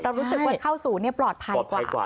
รู้สึกว่าเข้าศูนย์ปลอดภัยกว่า